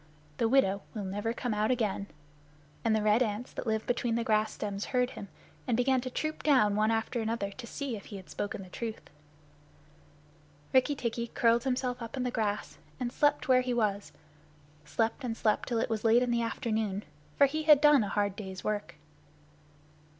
"The widow will never come out again." And the red ants that live between the grass stems heard him, and began to troop down one after another to see if he had spoken the truth. Rikki tikki curled himself up in the grass and slept where he was slept and slept till it was late in the afternoon, for he had done a hard day's work.